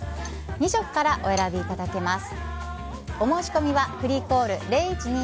２色からお選びいただけます。